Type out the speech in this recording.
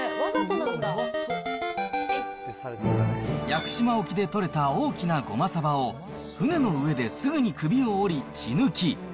屋久島沖で取れた大きなゴマサバを、船の上ですぐに首を折り、血抜き。